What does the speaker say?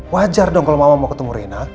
wajar dong kalau mama mau ketemu rina